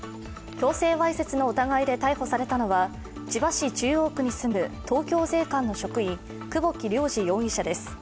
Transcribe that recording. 強制わいせつの疑いで逮捕されたのは千葉市中央区に住む東京税関の職員、久保木涼次容疑者です。